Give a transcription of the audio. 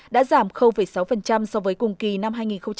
đã giảm sáu so với cùng kỳ năm hai nghìn một mươi tám